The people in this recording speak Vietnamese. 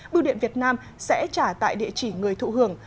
bưu điện việt nam sẽ trả tại địa chỉ người thụ hưởng